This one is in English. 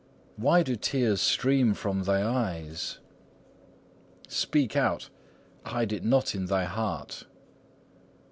Why do tears stream from thy eyes? '"Speak out, hide it not in thy heart."